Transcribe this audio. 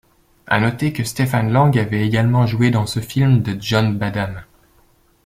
À noter que Stephen Lang avait également joué dans ce film de John Badham.